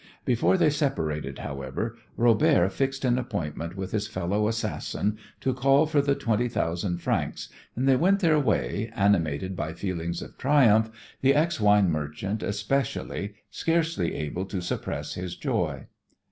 Before they separated, however, Robert fixed an appointment with his fellow assassin to call for the twenty thousand francs and they went their way, animated by feelings of triumph, the ex wine merchant, especially, scarcely able to suppress his joy.